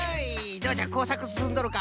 どうじゃこうさくすすんどるか？